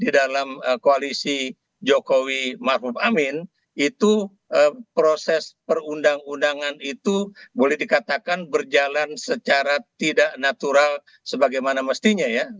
di dalam koalisi jokowi maruf amin itu proses perundang undangan itu boleh dikatakan berjalan secara tidak natural sebagaimana mestinya ya